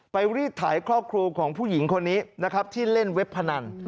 ไปรีบถ่ายครอบครูของผู้หญิงคนนี้ที่เล่นเว็บพนัน